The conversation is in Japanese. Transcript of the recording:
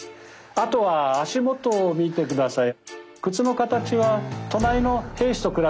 あとは足元を見て下さい。